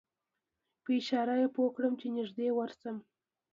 په اشاره یې پوی کړم چې نږدې ورشم.